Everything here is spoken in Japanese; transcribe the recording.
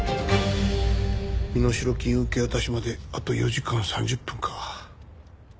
身代金受け渡しまであと４時間３０分か。